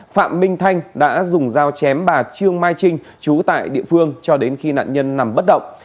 phạm minh thanh đã dùng dao chém bà trương mai trinh chú tại địa phương cho đến khi nạn nhân nằm bất động